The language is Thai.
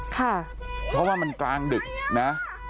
ค่ะเพราะว่ามันกลางดึกนะ